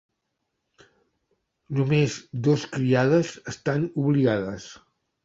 Només dos criades estan obligades.